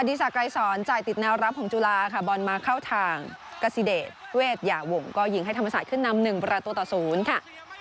ดีศักดรายสอนจ่ายติดแนวรับของจุฬาค่ะบอลมาเข้าทางกสิเดชเวทยาวงก็ยิงให้ธรรมศาสตร์ขึ้นนำ๑ประตูต่อ๐ค่ะ